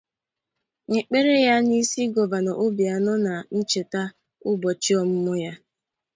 N'ekpere ya n'isi Gọvanọ Obianọ ná ncheta ụbọchị ọmụmụ ya